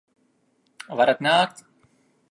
Varat nākt!